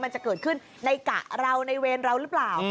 มันจะเกิดขึ้นในกะเราในเวรเราหรือเปล่า